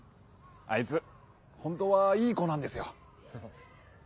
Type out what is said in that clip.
あいつ本当はいい子なんですよ。